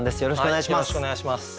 よろしくお願いします。